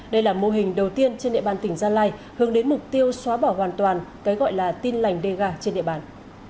đây là mô hình đầu tiên trên địa bàn tỉnh gia lai hướng đến mục tiêu xóa bỏ hoàn toàn cái gọi là tin lành đê gà trên địa bàn